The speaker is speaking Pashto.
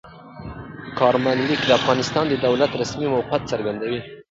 کارمل لیک د افغانستان د دولت رسمي موقف څرګندوي.